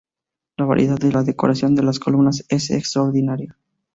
La variedad de la decoración de las columnas es extraordinaria.